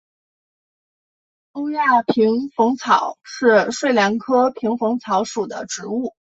欧亚萍蓬草是睡莲科萍蓬草属的植物。